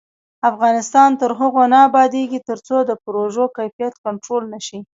افغانستان تر هغو نه ابادیږي، ترڅو د پروژو کیفیت کنټرول نشي.